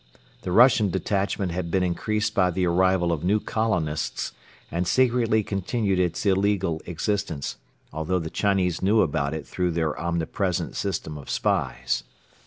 The Russian detachment had been increased by the arrival of new colonists and secretly continued its illegal existence, although the Chinese knew about it through their omnipresent system of spies.